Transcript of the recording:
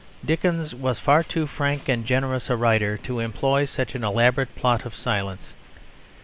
Dickens was far too frank and generous a writer to employ such an elaborate plot of silence.